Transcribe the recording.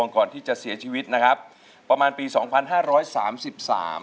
ก่อนที่จะเสียชีวิตนะครับประมาณปีสองพันห้าร้อยสามสิบสาม